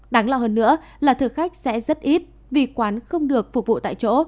đáng lo hơn nữa là thực khách sẽ rất ít vì quán không được phục vụ tại chỗ